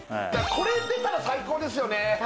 これ出たら最高ですよね